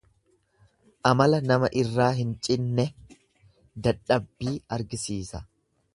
Amala nama irraa hin cinne, dadhabbii argisiisa.